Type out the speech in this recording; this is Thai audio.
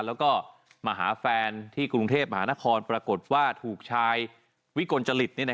แล้วก็มาหาแฟนที่กรุงเทพมหานครปรากฏว่าถูกชายวิกลจริต